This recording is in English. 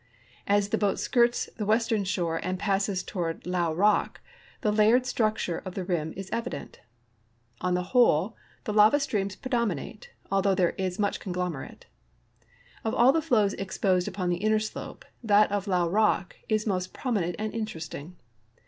.\s the boat skirts the western shore and passes toward Llao rock, tlie layered structure of tlie rim is evident. On the Avhole the lava streams predominate, although there is much conglom erate. Of all the flows exposed upon the inner slope, that of Llao rock is most prominent and interesting.